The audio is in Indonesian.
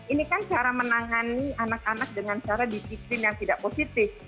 ini kan cara menangani anak anak dengan cara disiplin yang tidak positif